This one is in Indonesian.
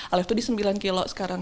alex itu di sembilan kilo sekarang